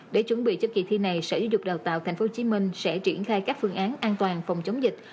để chuẩn bị cho kỳ thi này sở giáo dục đào tạo tp hcm sẽ triển khai các phương án an toàn phòng chống dịch